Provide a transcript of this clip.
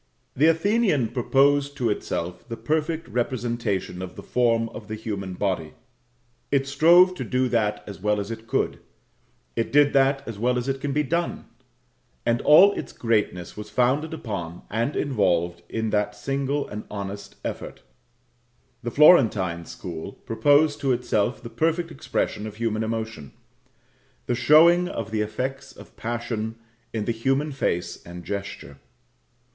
The Athenian proposed to itself the perfect representation of the form of the human body. It strove to do that as well as it could; it did that as well as it can be done; and all its greatness was founded upon and involved in that single and honest effort. The Florentine school proposed to itself the perfect expression of human emotion the showing of the effects of passion in the human face and gesture.